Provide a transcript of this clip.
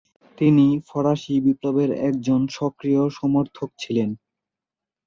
তিনি ফরাসি বিপ্লবের একজন সক্রিয় সমর্থক ছিলেন।